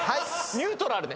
ニュートラルで。